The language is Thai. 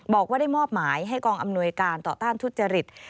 บอกว่าได้มอบหมายให้กองอำนวยการต่อต้านทุจริต